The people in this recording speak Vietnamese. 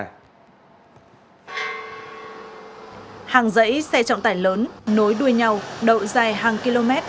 hàng dãy xe trọng tải lớn nối đuôi nhau đậu dài hàng km